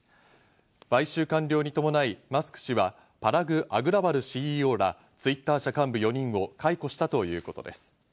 買収完了に伴い、マスク氏はパラグ・アグラワルＣＥＯらＴｗｉｔｔｅｒ社幹部４人を解雇したということです。